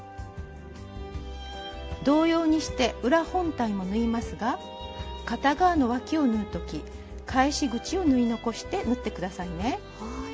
同様にして裏本体も縫いますが片側のわきを縫う時返し口を縫い残して縫って下さいね。